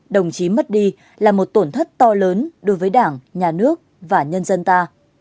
đồng chí mất đi là một tổn thất to lớn đối với đảng nhà nước và nhân dân ta